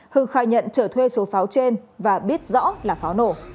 hưng khai nhận trở thuê số pháo trên và biết rõ là pháo nổ